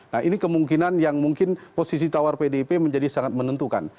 nah ini kemungkinan yang mungkin posisi tawar pdip menjadi sangat menentukan